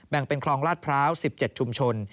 งเป็นคลองลาดพร้าว๑๗ชุมชน